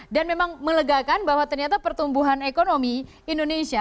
dan memang melegakan bahwa ternyata pertumbuhan ekonomi indonesia